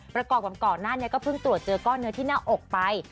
ประกอบกับก่อนหน้านี้ก็เพิ่งตรวจเจอก้อนเนื้อที่หน้าอกไป